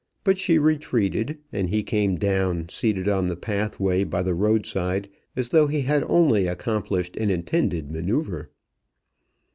But she retreated, and he came down, seated on the pathway by the roadside, as though he had only accomplished an intended manoeuvre.